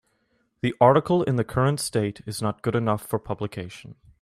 The article in the current state is not good enough for publication.